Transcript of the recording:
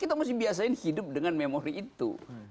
kita mesti biasain hidup dengan memori itu